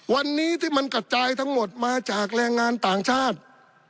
วันนี้ที่มันกระจายทั้งหมดมาจากแรงงานต่างชาติ